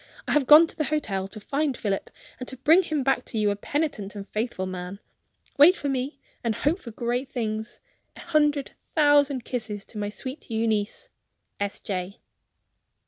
I have gone to the hotel to find Philip, and to bring him back to you a penitent and faithful man. Wait for me, and hope for great things. A. hundred thousand kisses to my sweet Euneece. "S. J."